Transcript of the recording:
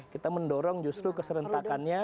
kita mendorong justru keserentakannya